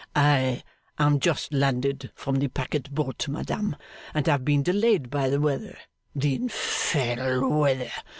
'I am just landed from the packet boat, madam, and have been delayed by the weather: the infernal weather!